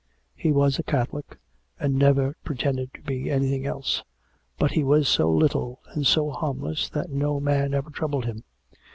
He was a Catholic, and never pretended to be anything else; but he was so little and so harmless that no man ever troubled him.